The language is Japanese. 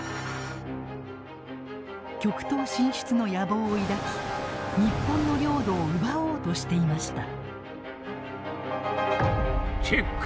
極東進出の野望を抱き日本の領土を奪おうとしていました。